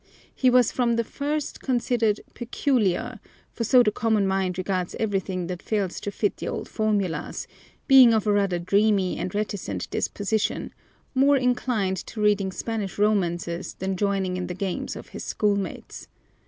He was from the first considered "peculiar," for so the common mind regards everything that fails to fit the old formulas, being of a rather dreamy and reticent disposition, more inclined to reading Spanish romances than joining in the games of his schoolmates.